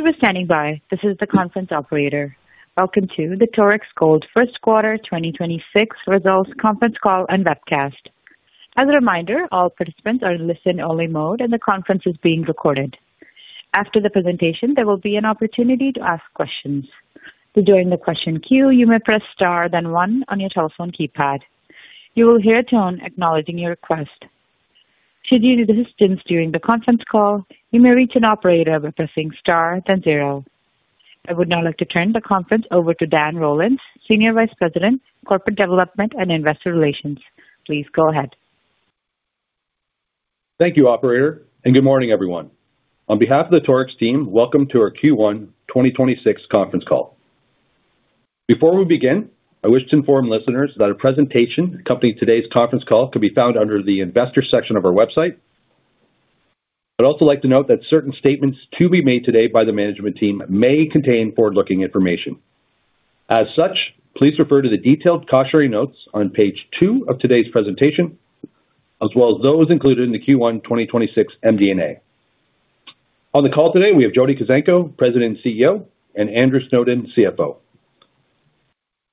Thank you for standing by. I would now like to turn the conference over to Dan Rollins, Senior Vice President, Corporate Development and Investor Relations. Please go ahead. Thank you, operator. Good morning, everyone. On behalf of the Torex team, welcome to our Q1 2026 Conference Call. Before we begin, I wish to inform listeners that a presentation accompanying today's conference call can be found under the investor section of our website. I'd also like to note that certain statements to be made today by the management team may contain forward-looking information. As such, please refer to the detailed cautionary notes on page two of today's presentation, as well as those included in the Q1 2026 MD&A. On the call today, we have Jody Kuzenko, President & Chief Executive Officer, and Andrew Snowden, Chief Financial Officer.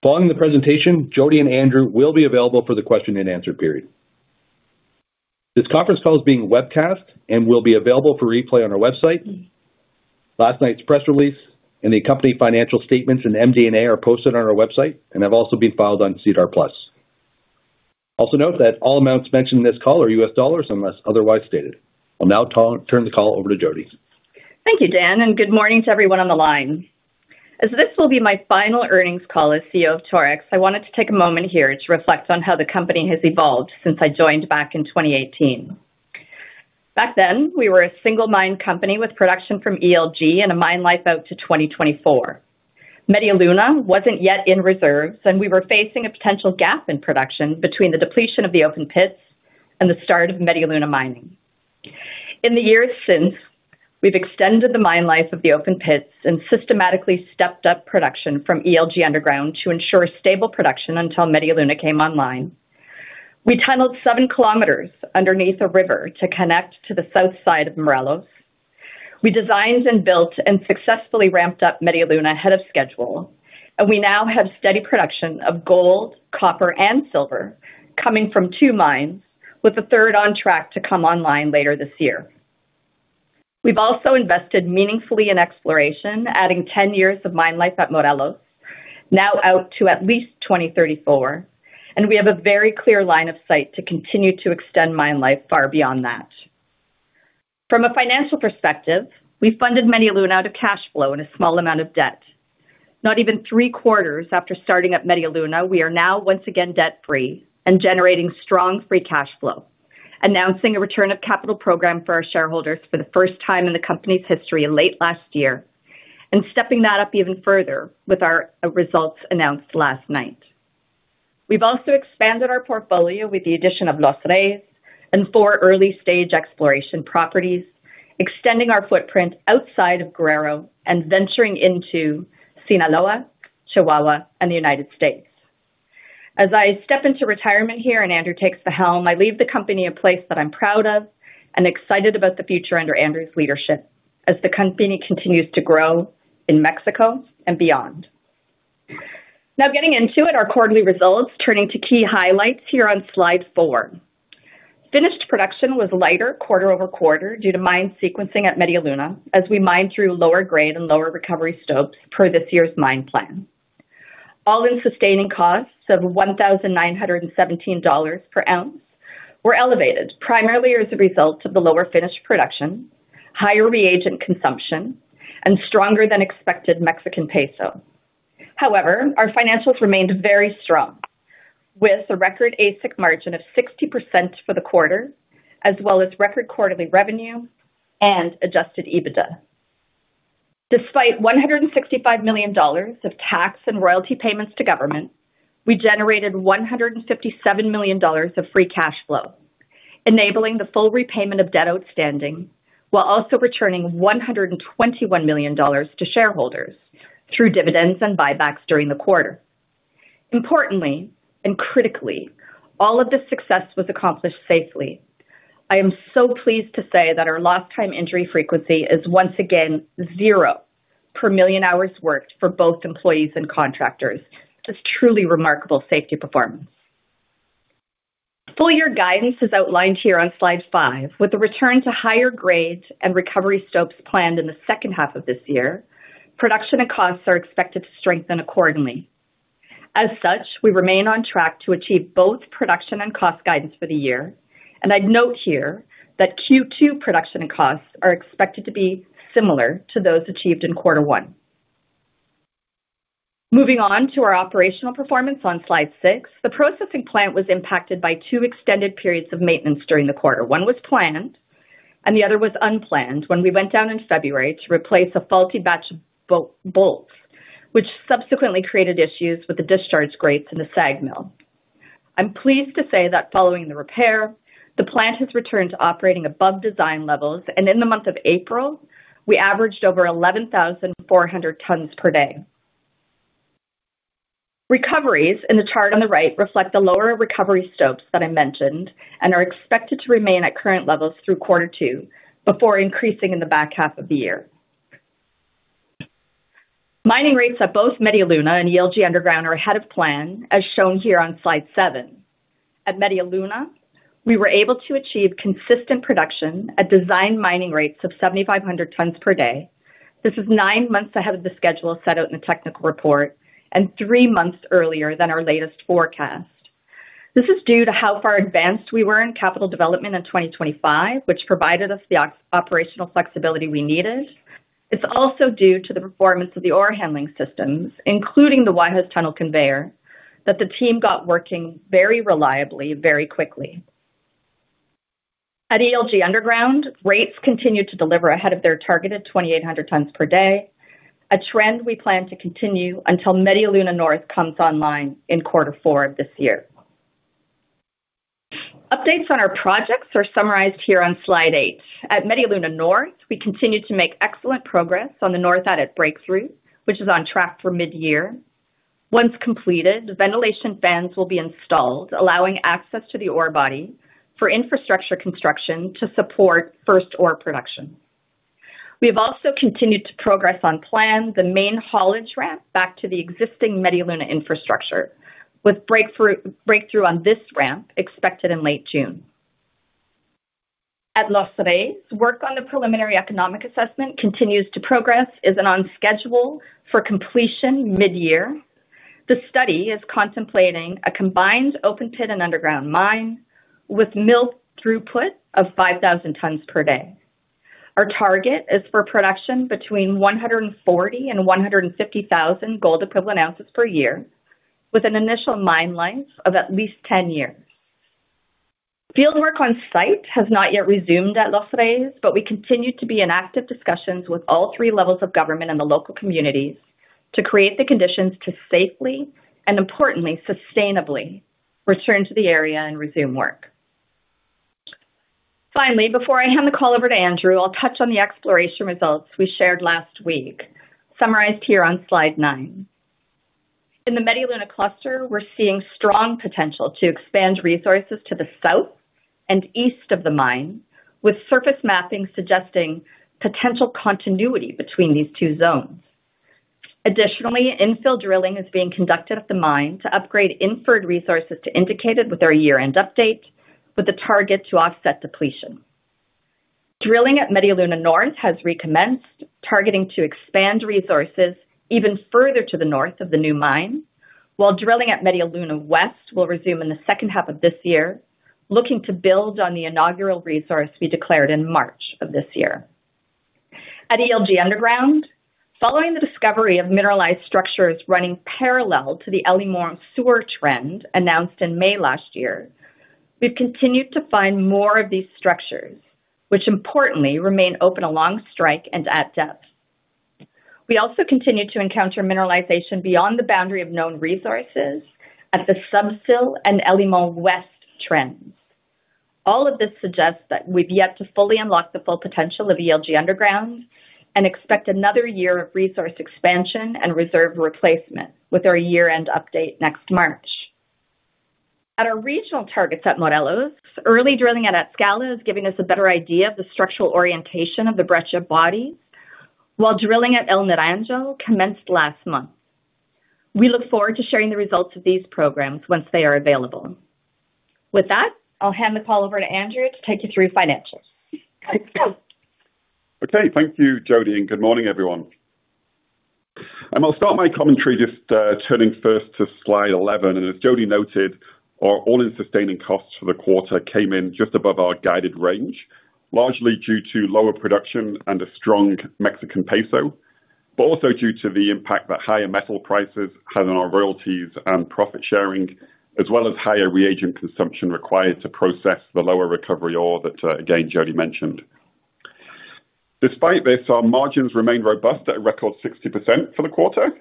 Following the presentation, Jody and Andrew will be available for the question and answer period. This conference call is being webcast and will be available for replay on our website. Last night's press release and the accompanying financial statements and MD&A are posted on our website and have also been filed on SEDAR+. Note that all amounts mentioned in this call are US dollars unless otherwise stated. I'll now turn the call over to Jody. Thank you, Dan, and good morning to everyone on the line. As this will be my final earnings call as CEO of Torex, I wanted to take a moment here to reflect on how the company has evolved since I joined back in 2018. Back then, we were a single mine company with production from ELG and a mine life out to 2024. Media Luna wasn't yet in reserves, and we were facing a potential gap in production between the depletion of the open pits and the start of Media Luna mining. In the years since, we've extended the mine life of the open pits and systematically stepped up production from ELG Underground to ensure stable production until Media Luna came online. We tunneled 7 km underneath a river to connect to the south side of Morelos. We designed and built and successfully ramped up Media Luna ahead of schedule. We now have steady production of gold, copper, and silver coming from two mines, with a third on track to come online later this year. We've also invested meaningfully in exploration, adding 10 years of mine life at Morelos, now out to at least 2034. We have a very clear line of sight to continue to extend mine life far beyond that. From a financial perspective, we funded Media Luna out of cash flow and a small amount of debt. Not even three quarters after starting up Media Luna, we are now once again debt-free and generating strong free cash flow, announcing a return of capital program for our shareholders for the first time in the company's history late last year, stepping that up even further with our results announced last night. We've also expanded our portfolio with the addition of Los Reyes and four early-stage exploration properties, extending our footprint outside of Guerrero and venturing into Sinaloa, Chihuahua, and the U.S. As I step into retirement here and Andrew takes the helm, I leave the company a place that I'm proud of and excited about the future under Andrew's leadership as the company continues to grow in Mexico and beyond. Getting into it, our quarterly results, turning to key highlights here on slide four. Finished production was lighter quarter-over-quarter due to mine sequencing at Media Luna as we mined through lower grade and lower recovery stopes per this year's mine plan. All-in Sustaining Costs of $1,917 per ounce were elevated primarily as a result of the lower finished production, higher reagent consumption, and stronger than expected Mexican peso. However, our financials remained very strong with a record AISC margin of 60% for the quarter as well as record quarterly revenue and Adjusted EBITDA. Despite $165 million of tax and royalty payments to government, we generated $157 million of free cash flow, enabling the full repayment of debt outstanding, while also returning $121 million to shareholders through dividends and buybacks during the quarter. Importantly and critically, all of this success was accomplished safely. I am so pleased to say that our Lost Time Injury Frequency is once again 0 per million hours worked for both employees and contractors. Just truly remarkable safety performance. Full year guidance is outlined here on slide five. With the return to higher grades and recovery stopes planned in the second half of this year, production and costs are expected to strengthen accordingly. We remain on track to achieve both production and cost guidance for the year. I'd note here that Q2 production and costs are expected to be similar to those achieved in quarter one. Moving on to our operational performance on slide six. The processing plant was impacted by two extended periods of maintenance during the quarter. one was planned and the other was unplanned when we went down in February to replace a faulty batch of rock bolts, which subsequently created issues with the discharge grates in the SAG mill. I'm pleased to say that following the repair, the plant has returned to operating above design levels. In the month of April, we averaged over 11,400 tons per day. Recoveries in the chart on the right reflect the lower recovery stopes that I mentioned and are expected to remain at current levels through quarter two before increasing in the back half of the year. Mining rates at both Media Luna and ELG underground are ahead of plan, as shown here on slide seven. At Media Luna, we were able to achieve consistent production at design mining rates of 7,500 tons per day. This is nine months ahead of the schedule set out in the technical report and three months earlier than our latest forecast. This is due to how far advanced we were in capital development in 2025, which provided us the extra operational flexibility we needed. It's also due to the performance of the ore handling systems, including the hoist tunnel conveyor that the team got working very reliably, very quickly. At ELG underground, rates continued to deliver ahead of their targeted 2,800 tons per day, a trend we plan to continue until Media Luna North comes online in quarter four of this year. Updates on our projects are summarized here on slide eight. At Media Luna North, we continue to make excellent progress on the North adit breakthrough, which is on track for mid-year. Once completed, ventilation fans will be installed, allowing access to the ore body for infrastructure construction to support first ore production. We have also continued to progress on plan the main haulage ramp back to the existing Media Luna infrastructure, with breakthrough on this ramp expected in late June. At Los Reyes, work on the preliminary economic assessment continues to progress and on schedule for completion mid-year. The study is contemplating a combined open pit and underground mine with mill throughput of 5,000 tons per day. Our target is for production between 140000 and 150,000 gold equivalent ounces per year, with an initial mine life of at least 10 years. Fieldwork on site has not yet resumed at Los Reyes, but we continue to be in active discussions with all three levels of government and the local communities to create the conditions to safely and importantly, sustainably return to the area and resume work. Finally, before I hand the call over to Andrew, I will touch on the exploration results we shared last week, summarized here on slide nine. In the Media Luna cluster, we're seeing strong potential to expand resources to the south and east of the mine, with surface mapping suggesting potential continuity between these two zones. Additionally, infill drilling is being conducted at the mine to upgrade inferred resources to indicated with our year-end update, with a target to offset depletion. Drilling at Media Luna North has recommenced, targeting to expand resources even further to the north of the new mine, while drilling at Media Luna West will resume in the second half of this year, looking to build on the inaugural resource we declared in March of this year. At ELG underground, following the discovery of mineralized structures running parallel to the El Limon Sur trend announced in May last year, we've continued to find more of these structures, which importantly remain open along strike and at depth. We also continue to encounter mineralization beyond the boundary of known resources at the sub-sill and El Limon West trends. All of this suggests that we've yet to fully unlock the full potential of ELG underground and expect another year of resource expansion and reserve replacement with our year-end update next March. At our regional targets at Morelos, early drilling at Atzcala is giving us a better idea of the structural orientation of the Breccia bodies, while drilling at El Naranjo commenced last month. We look forward to sharing the results of these programs once they are available. With that, I'll hand the call over to Andrew to take you through financials. Thanks. Okay. Thank you, Jody, and good morning, everyone. I'll start my commentary just turning first to slide 11. As Jody noted, our All-in Sustaining Costs for the quarter came in just above our guided range, largely due to lower production and a strong Mexican peso, but also due to the impact that higher metal prices had on our royalties and profit sharing, as well as higher reagent consumption required to process the lower recovery ore that, again, Jody mentioned. Despite this, our margins remain robust at a record 60% for the quarter,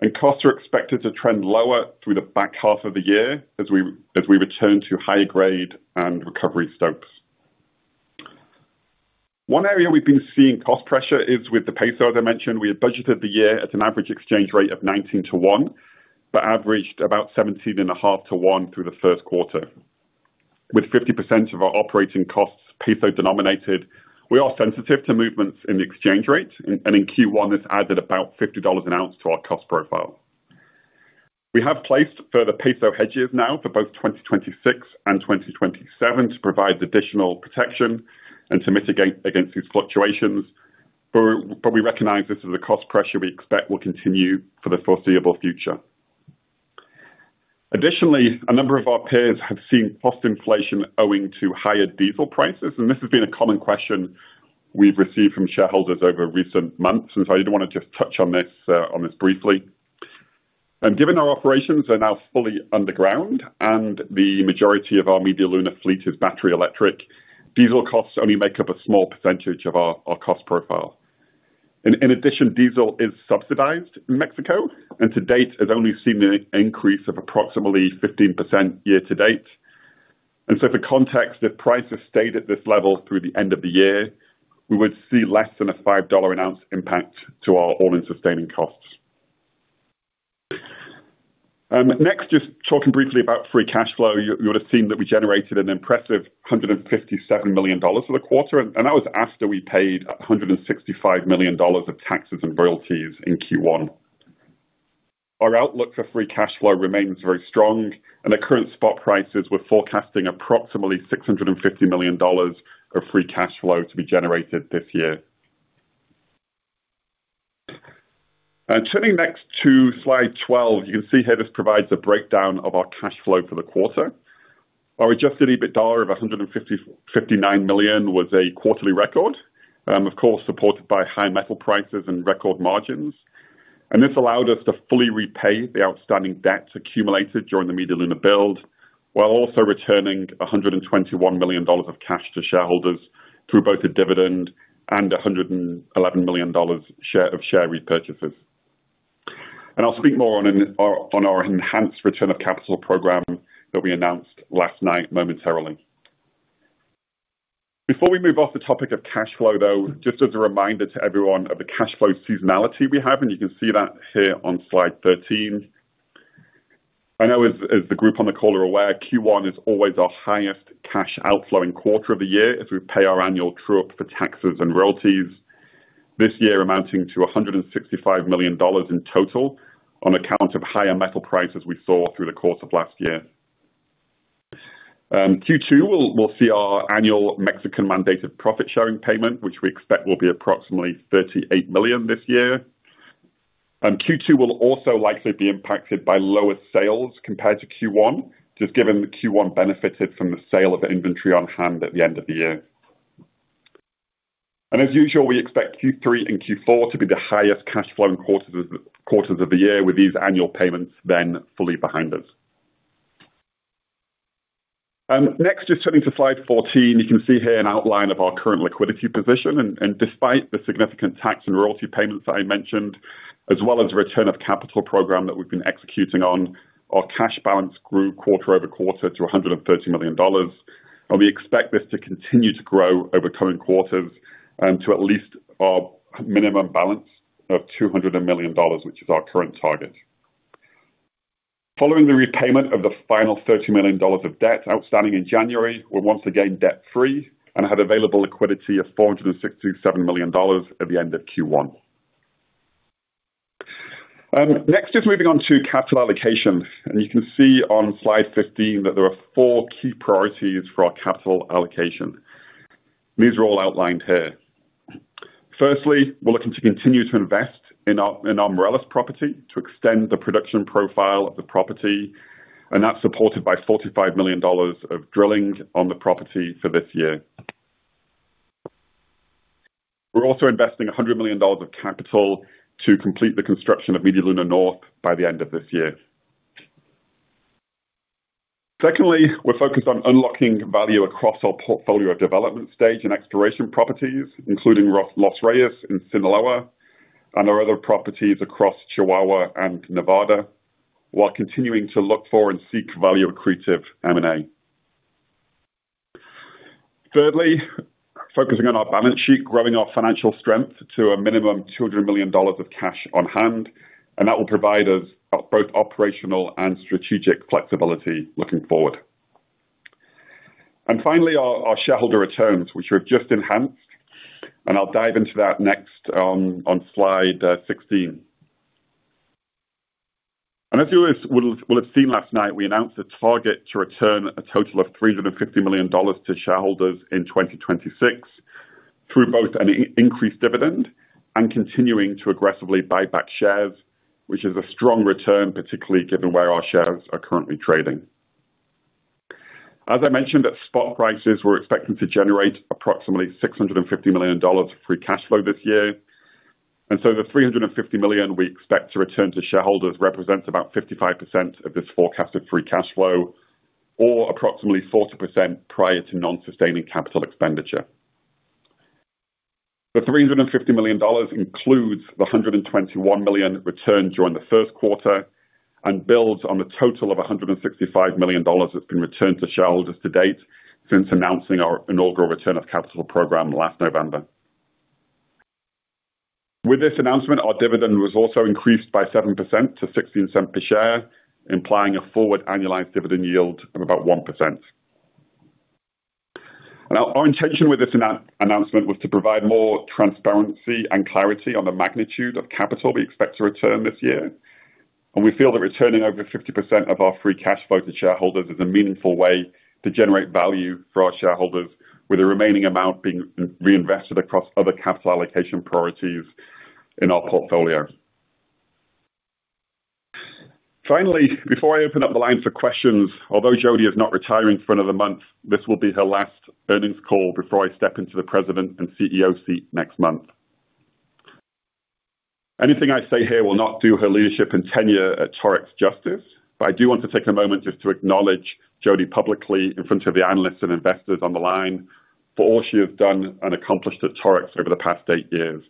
and costs are expected to trend lower through the back half of the year as we return to higher grade and recovery stopes. One area we've been seeing cost pressure is with the peso, as I mentioned. We had budgeted the year at an average exchange rate of 19 to one, averaged about 17.5 to one through the first quarter. With 50% of our operating costs peso denominated, we are sensitive to movements in the exchange rate. In Q1, this added about $50 an ounce to our cost profile. We have placed further peso hedges now for both 2026 and 2027 to provide additional protection and to mitigate against these fluctuations. We recognize this as a cost pressure we expect will continue for the foreseeable future. Additionally, a number of our peers have seen cost inflation owing to higher diesel prices. This has been a common question we've received from shareholders over recent months. I do want to just touch on this on this briefly. Given our operations are now fully underground and the majority of our Media Luna fleet is battery electric, diesel costs only make up a small percentage of our cost profile. In addition, diesel is subsidized in Mexico and to date has only seen an increase of approximately 15% year to date. For context, if prices stayed at this level through the end of the year, we would see less than a $5 an ounce impact to our All-in Sustaining Costs. Next, just talking briefly about free cash flow. You would've seen that we generated an impressive $157 million for the quarter, and that was after we paid $165 million of taxes and royalties in Q1. Our outlook for free cash flow remains very strong, at current spot prices, we're forecasting approximately $650 million of free cash flow to be generated this year. Turning next to slide 12, you can see here this provides a breakdown of our cash flow for the quarter. Our adjusted EBITDA of $159 million was a quarterly record, of course, supported by high metal prices and record margins. This allowed us to fully repay the outstanding debts accumulated during the Media Luna build, while also returning $121 million of cash to shareholders through both a dividend and $111 million of share repurchases. I'll speak more on our enhanced return of capital program that we announced last night momentarily. Before we move off the topic of cash flow, though, just as a reminder to everyone of the cash flow seasonality we have, and you can see that here on slide 13. I know as the group on the call are aware, Q1 is always our highest cash outflowing quarter of the year as we pay our annual true-up for taxes and royalties. This year amounting to $165 million in total on account of higher metal prices we saw through the course of last year. Q2, we'll see our annual Mexican mandated profit-sharing payment, which we expect will be approximately $38 million this year. Q2 will also likely be impacted by lower sales compared to Q1, just given that Q1 benefited from the sale of the inventory on hand at the end of the year. As usual, we expect Q3 and Q4 to be the highest cash flowing quarters of the year with these annual payments then fully behind us. Next, just turning to slide 14, you can see here an outline of our current liquidity position despite the significant tax and royalty payments that I mentioned, as well as the return of capital program that we've been executing on, our cash balance grew quarter-over-quarter to $130 million. We expect this to continue to grow over coming quarters to at least our minimum balance of $200 million, which is our current target. Following the repayment of the final $30 million of debt outstanding in January, we're once again debt-free and have available liquidity of $467 million at the end of Q1. Next, just moving on to capital allocation, you can see on slide 15 that there are four key priorities for our capital allocation. These are all outlined here. Firstly, we're looking to continue to invest in our, in our Morelos Property to extend the production profile of the Property, and that's supported by $45 million of drilling on the Property for this year. We're also investing $100 million of capital to complete the construction of Media Luna North by the end of this year. Secondly, we're focused on unlocking value across our portfolio of development stage and exploration properties, including Los Reyes in Sinaloa and our other properties across Chihuahua and Nevada, while continuing to look for and seek value-accretive M&A. Thirdly, focusing on our balance sheet, growing our financial strength to a minimum $200 million of cash on hand, that will provide us both operational and strategic flexibility looking forward. Finally, our shareholder returns, which we have just enhanced, I'll dive into that next on slide 16. As you will have seen last night, we announced a target to return a total of $350 million to shareholders in 2026 through both an increased dividend and continuing to aggressively buy back shares, which is a strong return, particularly given where our shares are currently trading. As I mentioned, at spot prices, we're expecting to generate approximately $650 million of free cash flow this year. The $350 million we expect to return to shareholders represents about 55% of this forecasted free cash flow or approximately 40% prior to non-sustaining capital expenditure. The $350 million includes the $121 million returned during the first quarter and builds on a total of $165 million that's been returned to shareholders to date since announcing our inaugural Return of Capital Program last November. With this announcement, our dividend was also increased by 7% to $0.16 per share, implying a forward annualized dividend yield of about 1%. Now, our intention with this announcement was to provide more transparency and clarity on the magnitude of capital we expect to return this year, and we feel that returning over 50% of our free cash flow to shareholders is a meaningful way to generate value for our shareholders, with the remaining amount being reinvested across other capital allocation priorities in our portfolio. Finally, before I open up the line for questions, although Jody is not retiring for another month, this will be her last earnings call before I step into the President and CEO seat next month. Anything I say here will not do her leadership and tenure at Torex justice, but I do want to take a moment just to acknowledge Jody publicly in front of the analysts and investors on the line for all she has done and accomplished at Torex over the past eight years.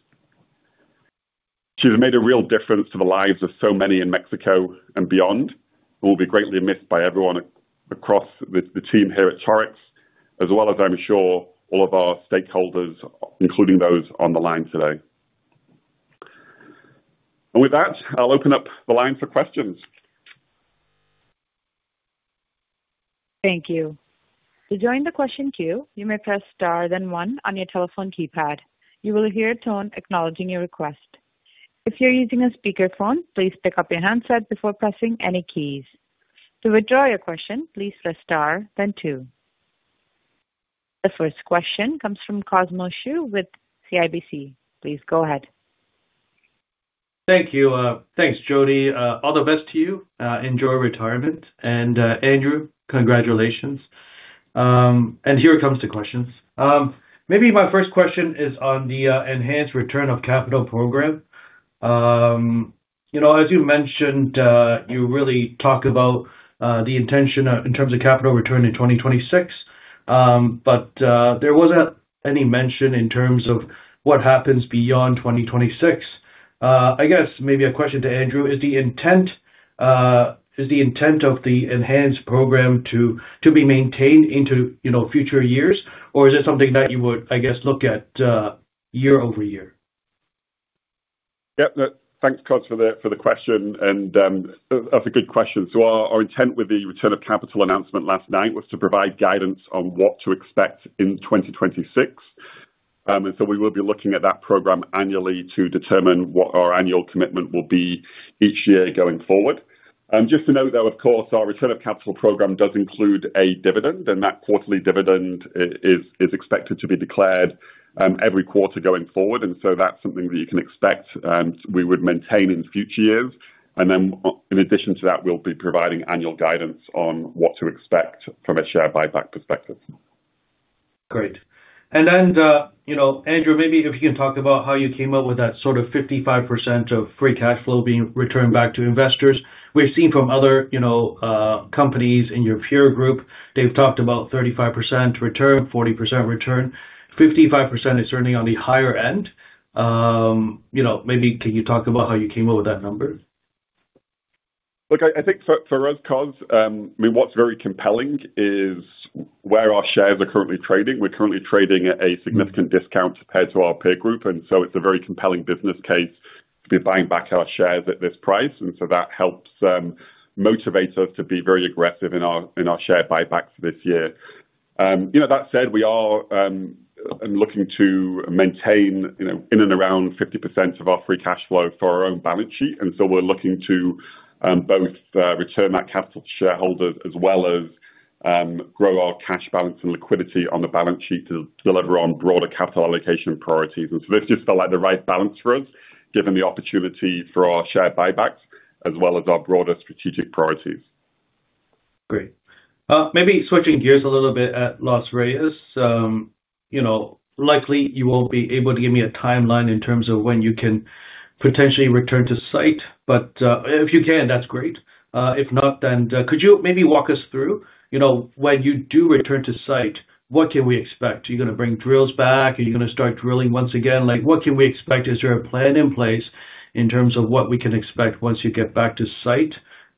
She's made a real difference to the lives of so many in Mexico and beyond, and will be greatly missed by everyone across the team here at Torex, as well as I'm sure all of our stakeholders, including those on the line today. With that, I'll open up the line for questions. The first question comes from Cosmos Chiu with CIBC. Please go ahead. Thank you. Thanks, Jody. All the best to you. Enjoy retirement. Andrew, congratulations. Here it comes to questions. Maybe my first question is on the enhanced return of capital program. You know, as you mentioned, you really talk about the intention in terms of capital return in 2026. But there wasn't any mention in terms of what happens beyond 2026. I guess maybe a question to Andrew, is the intent, is the intent of the enhanced program to be maintained into, you know, future years? Or is it something that you would, I guess, look at year-over-year? Yep. Thanks, Cosmos, for the question, that's a good question. Our intent with the return of capital announcement last night was to provide guidance on what to expect in 2026. We will be looking at that program annually to determine what our annual commitment will be each year going forward. Just to note, though, of course, our return of capital program does include a dividend, and that quarterly dividend is expected to be declared every quarter going forward. That's something that you can expect, and we would maintain in future years. In addition to that, we'll be providing annual guidance on what to expect from a share buyback perspective. Great. You know, Andrew, maybe if you can talk about how you came up with that sort of 55% of free cash flow being returned back to investors. We've seen from other, you know, companies in your peer group, they've talked about 35% return, 40% return. 55% is certainly on the higher end. You know, maybe can you talk about how you came up with that number? Look, I think for us, Cos, I mean, what's very compelling is where our shares are currently trading. We're currently trading at a significant discount compared to our peer group, so it's a very compelling business case to be buying back our shares at this price. That helps motivate us to be very aggressive in our share buybacks this year. You know, that said, we are looking to maintain, you know, in and around 50% of our free cash flow for our own balance sheet. We're looking to both return that capital to shareholders as well as grow our cash balance and liquidity on the balance sheet to deliver on broader capital allocation priorities. This just felt like the right balance for us, given the opportunity for our share buybacks as well as our broader strategic priorities. Great. Maybe switching gears a little bit at Los Reyes. You know, likely you won't be able to give me a timeline in terms of when you can potentially return to site. If you can, that's great. If not, then, could you maybe walk us through, you know, when you do return to site, what can we expect? Are you gonna bring drills back? Are you gonna start drilling once again? Like, what can we expect? Is there a plan in place in terms of what we can expect once you get back to site?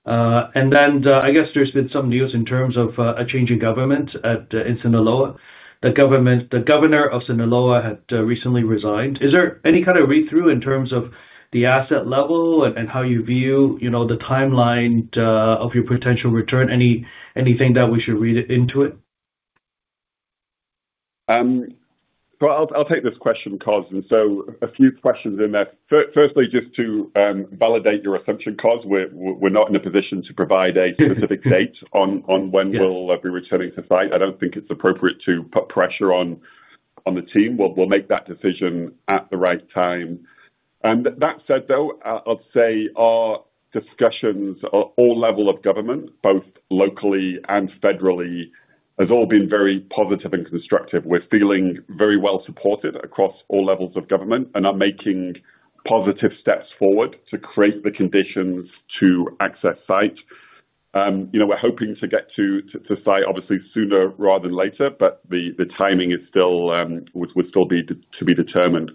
I guess there's been some news in terms of, a change in government at, in Sinaloa. The governor of Sinaloa had recently resigned. Is there any kind of read-through in terms of the asset level and how you view, you know, the timeline of your potential return? Anything that we should read into it? So I'll take this question, Cos. A few questions in there. Firstly, just to validate your assumption, Cos, we're not in a position to provide a specific date on when we'll be returning to site. I don't think it's appropriate to put pressure on the team. We'll make that decision at the right time. That said, though, I'd say our discussions at all level of government, both locally and federally, has all been very positive and constructive. We're feeling very well supported across all levels of government and are making positive steps forward to create the conditions to access site. You know, we're hoping to get to site obviously sooner rather than later, but the timing is still to be determined.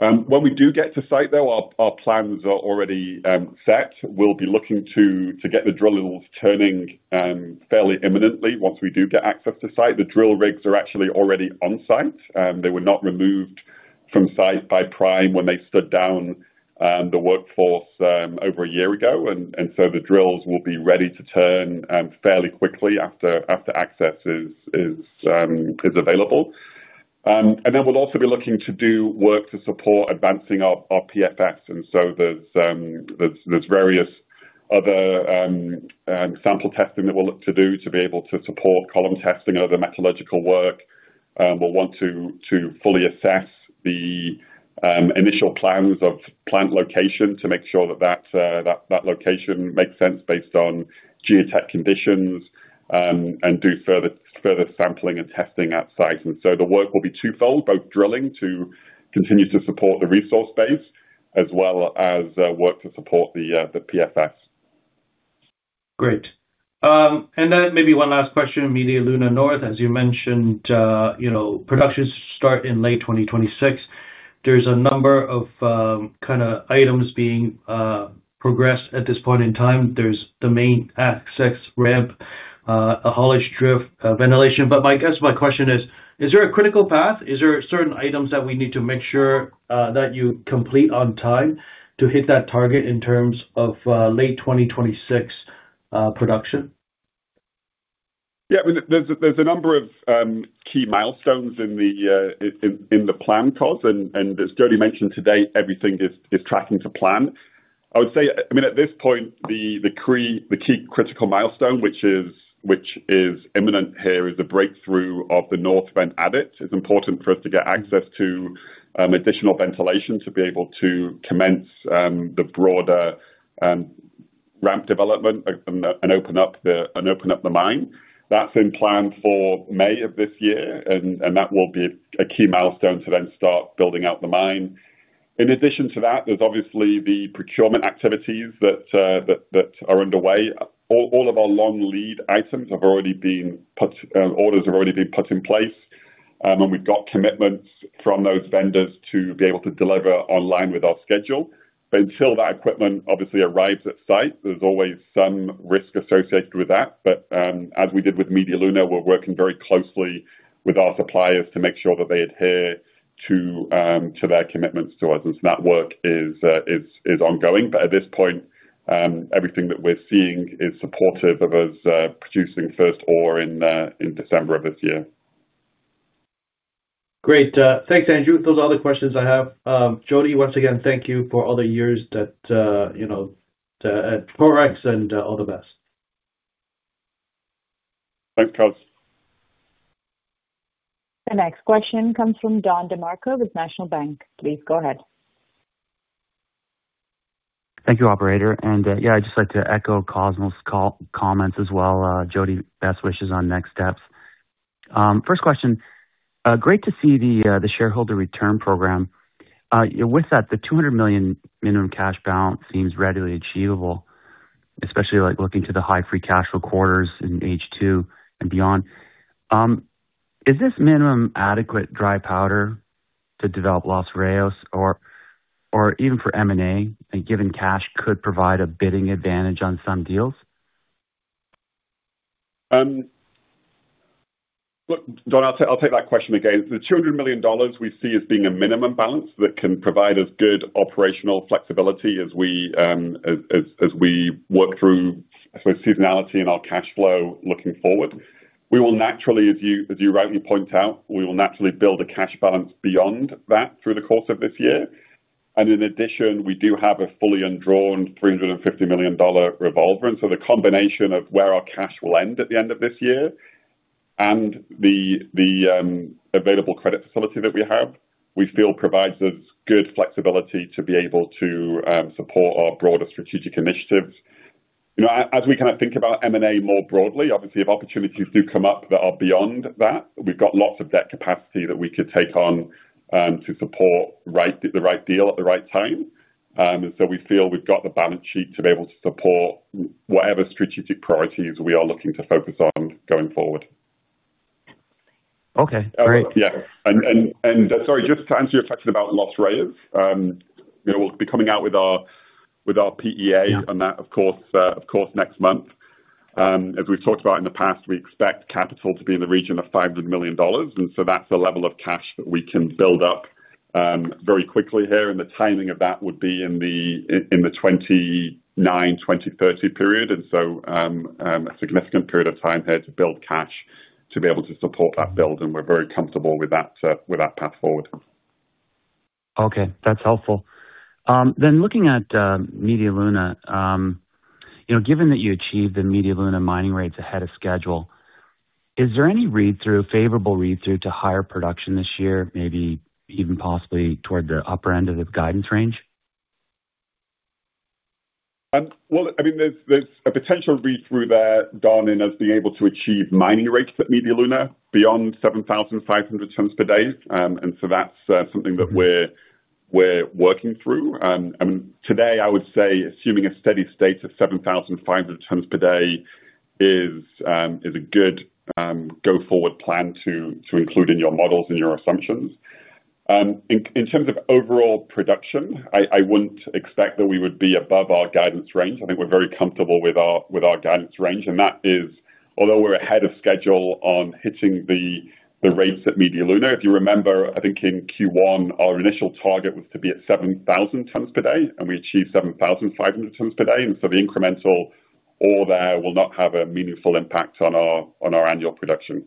When we do get to site, though, our plans are already set. We'll be looking to get the drillers turning fairly imminently once we do get access to site. The drill rigs are actually already on site. They were not removed from site by Prime when they stood down the workforce over a year ago. The drills will be ready to turn fairly quickly after access is available. We'll also be looking to do work to support advancing our PFS. There's various other sample testing that we'll look to do to be able to support column testing and other metallurgical work. We'll want to fully assess the initial plans of plant location to make sure that that location makes sense based on geotech conditions, and do further sampling and testing at site. The work will be twofold, both drilling to continue to support the resource base as well as work to support the PFS. Great. Then maybe one last question. Media Luna North, as you mentioned, production start in late 2026. There's a number of kinda items being progressed at this point in time. There's the main access ramp, a haulage drift, ventilation. I guess my question is: Is there a critical path? Is there certain items that we need to make sure that you complete on time to hit that target in terms of late 2026 production? Yeah. I mean, there's a number of key milestones in the plan, Cos. And as Jody mentioned today, everything is tracking to plan. I would say, I mean, at this point, the key critical milestone, which is imminent here, is the breakthrough of the North Vent Adit. It's important for us to get access to additional ventilation to be able to commence the broader ramp development and open up the mine. That's in plan for May of this year, and that will be a key milestone to then start building out the mine. In addition to that, there's obviously the procurement activities that are underway. All of our long lead items have already been put, orders have already been put in place. We've got commitments from those vendors to be able to deliver online with our schedule. Until that equipment obviously arrives at site, there's always some risk associated with that. As we did with Media Luna, we're working very closely with our suppliers to make sure that they adhere to their commitments to us. That work is ongoing. At this point, everything that we're seeing is supportive of us, producing first ore in December of this year. Great. Thanks, Andrew. Those are all the questions I have. Jody, once again, thank you for all the years that, you know, at Torex and all the best. Thanks, Cos. The next question comes from Don DeMarco with National Bank. Please go ahead. Thank you, operator. Yeah, I'd just like to echo Cosmos' comments as well. Jody, best wishes on next steps. First question. Great to see the shareholder return program. The $200 million minimum cash balance seems readily achievable, especially like looking to the high free cash flow quarters in H2 and beyond. Is this minimum adequate dry powder to develop Los Reyes or even for M&A, given cash could provide a bidding advantage on some deals? Look, Don, I'll take that question again. The $200 million we see as being a minimum balance that can provide us good operational flexibility as we work through, I suppose, seasonality in our cash flow looking forward. We will naturally, as you rightly point out, we will naturally build a cash balance beyond that through the course of this year. In addition, we do have a fully undrawn $350 million revolver. The combination of where our cash will end at the end of this year and the available credit facility that we have, we feel provides us good flexibility to be able to support our broader strategic initiatives. You know, as we kind of think about M&A more broadly, obviously, if opportunities do come up that are beyond that, we've got lots of debt capacity that we could take on to support the right deal at the right time. We feel we've got the balance sheet to be able to support whatever strategic priorities we are looking to focus on going forward. Okay, great. Yeah. Sorry, just to answer your question about Los Reyes. You know, we'll be coming out with our PEA. Yeah. On that, of course, of course, next month. As we've talked about in the past, we expect capital to be in the region of $500 million. That's the level of cash that we can build up very quickly here. The timing of that would be in the 2029, 2030 period. A significant period of time here to build cash to be able to support that build, and we're very comfortable with that path forward. Okay, that's helpful. Looking at Media Luna, you know, given that you achieved the Media Luna mining rates ahead of schedule, is there any read-through, favorable read-through to higher production this year, maybe even possibly toward the upper end of the guidance range? Well, I mean, there's a potential read-through there, Don, in us being able to achieve mining rates at Media Luna beyond 7,500 tons per day. That's something that we're working through. I mean, today, I would say assuming a steady state of 7,500 tons per day is a good go-forward plan to include in your models and your assumptions. In terms of overall production, I wouldn't expect that we would be above our guidance range. I think we're very comfortable with our guidance range, and that is although we're ahead of schedule on hitting the rates at Media Luna. If you remember, I think in Q1, our initial target was to be at 7,000 tons per day, and we achieved 7,500 tons per day. The incremental ore there will not have a meaningful impact on our annual production.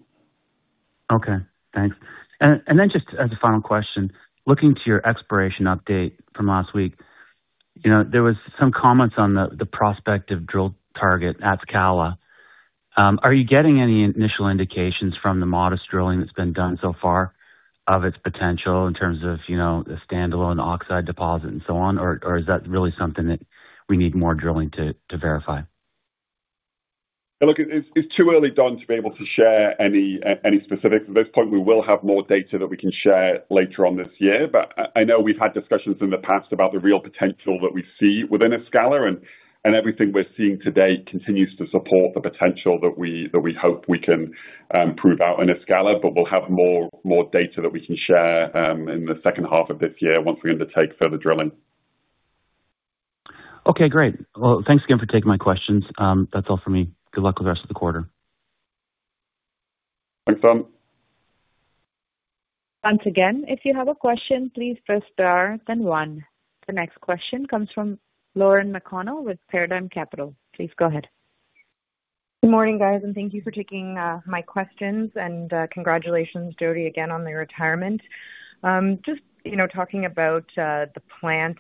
Okay, thanks. Then just as a final question, looking to your exploration update from last week, you know, there were some comments on the prospective drill target at Atzcala. Are you getting any initial indications from the modest drilling that's been done so far of its potential in terms of, you know, the standalone oxide deposit and so on? Is that really something that we need more drilling to verify? Look, it's too early, Don, to be able to share any specifics at this point. We will have more data that we can share later on this year. I know we've had discussions in the past about the real potential that we see within Atzcala and everything we're seeing today continues to support the potential that we hope we can prove out in Atzcala. We'll have more data that we can share in the second half of this year once we undertake further drilling. Okay. Great. Well, thanks again for taking my questions. That's all for me. Good luck with the rest of the quarter. Thanks, Don. Once again, if you have a question, please press star then one. The next question comes from Lauren McConnell with Paradigm Capital. Please go ahead. Good morning, guys, thank you for taking my questions. Congratulations, Jody, again on the retirement. Just, you know, talking about the plant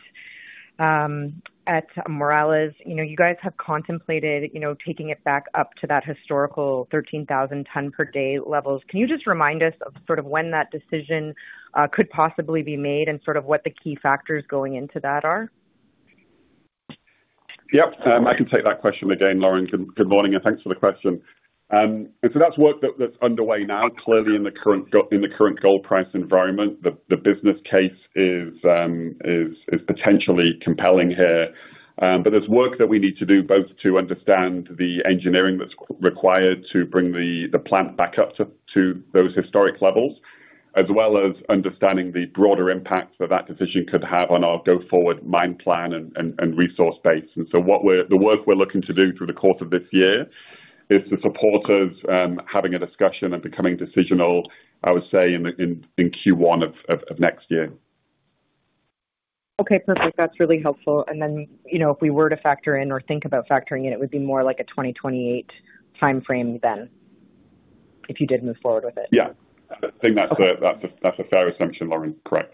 at Morelos. You know, you guys have contemplated, you know, taking it back up to that historical 13,000 ton per day levels. Can you just remind us of sort of when that decision could possibly be made and sort of what the key factors going into that are? Yep. I can take that question again, Lauren. Good morning and thanks for the question. That's work that's underway now. Clearly in the current gold price environment, the business case is potentially compelling here. There's work that we need to do both to understand the engineering that's required to bring the plant back up to those historic levels, as well as understanding the broader impact that that decision could have on our go-forward mine plan and resource base. The work we're looking to do through the course of this year is the support of having a discussion and becoming decisional, I would say, in Q1 of next year. Okay, perfect. That's really helpful. Then, you know, if we were to factor in or think about factoring in, it would be more like a 2028 timeframe then if you did move forward with it? Yeah. Okay. That's a fair assumption, Lauren. Correct.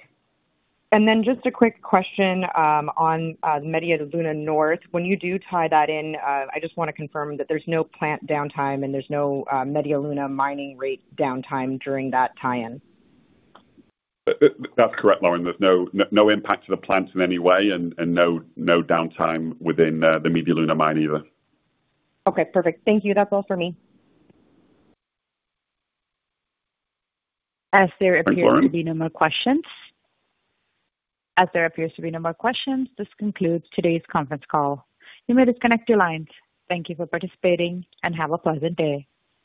Just a quick question on Media Luna North. When you do tie that in, I just wanna confirm that there's no plant downtime and there's no Media Luna mining rate downtime during that tie-in. That's correct, Lauren. There's no impact to the plant in any way and no downtime within the Media Luna mine either. Okay, perfect. Thank you. That's all for me. As there appears. Thanks, Lauren. There appears to be no more questions, this concludes today's conference call. You may disconnect your lines. Thank you for participating, and have a pleasant day.